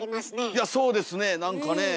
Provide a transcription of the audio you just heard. いやそうですね何かねえ。